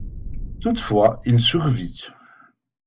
Toutefois, il survit.